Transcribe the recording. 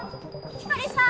光莉さん！